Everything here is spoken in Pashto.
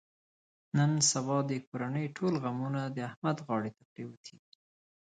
نن سبا د کورنۍ ټول غمونه د احمد غاړې ته پرېوتلي دي.